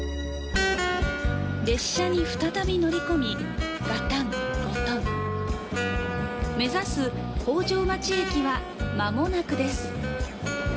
列車に再び乗り込みガタンゴトン目指す北条町駅は間もなくです。